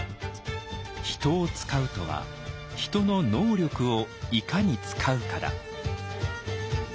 「人を使うとは人の能力をいかに使うかだ」。